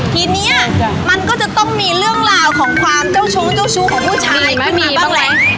ทีนี้มันก็จะต้องมีเรื่องราวของความเจ้าชู้เจ้าชู้ของผู้ชายที่มีบ้างไหม